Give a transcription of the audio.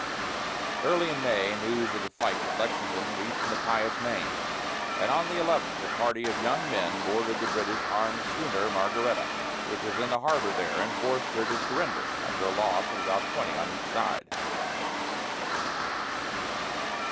Early in May, news of the fight at Lexington reached Machias, Maine, and on the 11th a party of young men boarded the British armed schooner, Margaretta, which was in the harbor there, and forced her to surrender, after a loss of about twenty on each side.